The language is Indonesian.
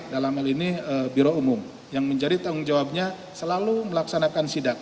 dalam hal ini biro umum yang menjadi tanggung jawabnya selalu melaksanakan sidak